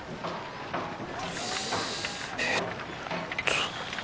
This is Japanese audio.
えっと。